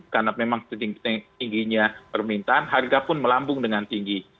karena memang setingginya permintaan harga pun melambung dengan tinggi